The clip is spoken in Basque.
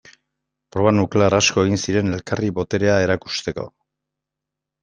Proba nuklear asko egin ziren elkarri boterea erakusteko.